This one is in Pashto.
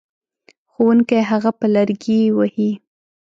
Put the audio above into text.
ښوونکی هغه په لرګي وهي.